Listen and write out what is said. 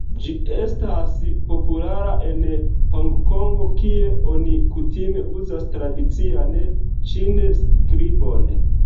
Ĝi estas populara en Honkongo kie oni kutime uzas tradician ĉin-skribon.